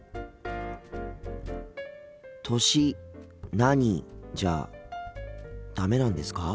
「歳何？」じゃダメなんですか？